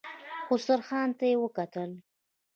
خسرو خان ته يې وکتل.